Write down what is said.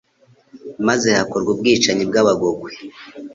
maze hakorwa ubwicanyi bw'Abagogwe